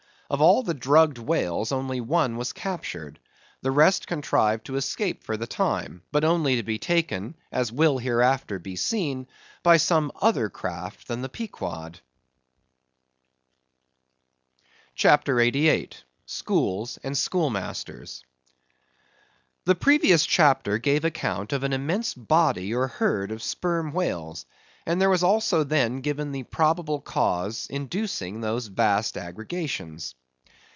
Of all the drugged whales only one was captured. The rest contrived to escape for the time, but only to be taken, as will hereafter be seen, by some other craft than the Pequod. CHAPTER 88. Schools and Schoolmasters. The previous chapter gave account of an immense body or herd of Sperm Whales, and there was also then given the probable cause inducing those vast aggregations.